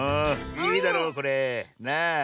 いいだろこれ。なあ。